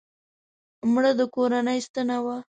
مړه د کورنۍ ستنه وه